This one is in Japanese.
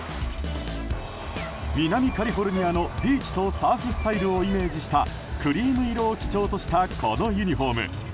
南カリフォルニアのビーチとサーフスタイルをイメージしたクリーム色を基調としたこのユニホーム。